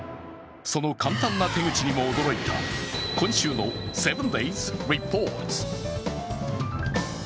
その簡単な手口にも驚いた今週の「７ｄａｙｓリポート」。